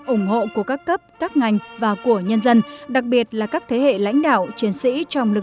ủng hộ của các cấp các ngành và của nhân dân đặc biệt là các thế hệ lãnh đạo